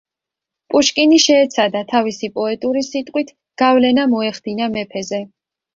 პუშკინი შეეცადა თავისი პოეტური სიტყვით გავლენა მოეხდინა მეფეზე.